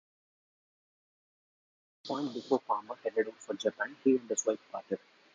At some point before Palmer headed out for Japan, he and his wife parted.